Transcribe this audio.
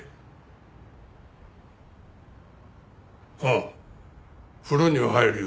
あっ風呂には入るよ。